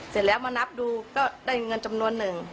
เสร็จแล้วมานับดูก็ได้เงินจำนวนหนึ่ง